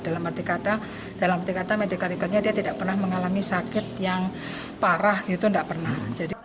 dalam arti kata dalam arti kata medikalikannya dia tidak pernah mengalami sakit yang parah itu tidak pernah